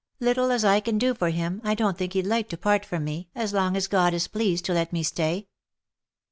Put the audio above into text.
Little as I can do for him, I don't think he'd like to part from me, as long as God is pleased to let me stay."